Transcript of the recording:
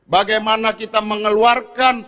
bagaimana kita mengeluarkan